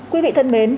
quý vị thân mến